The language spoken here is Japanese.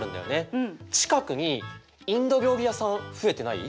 近くにインド料理屋さん増えてない？